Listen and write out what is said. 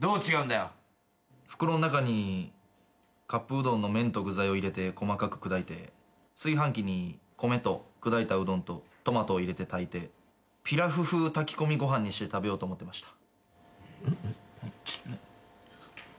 だから袋の中にカップうどんの麺と具材を入れて細かく砕いて炊飯器に米と砕いたうどんとトマトを入れて炊いてピラフ風炊き込みご飯にして食べようと思ってました。